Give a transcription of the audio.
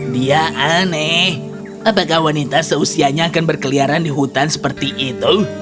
dia aneh apakah wanita seusianya akan berkeliaran di hutan seperti itu